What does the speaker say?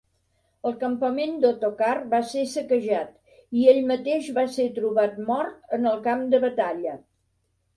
El campament d'Ottokar va ser saquejat, i ell mateix va ser trobat mort en el camp de batalla.